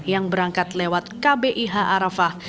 yang berangkat lewat kbih arafah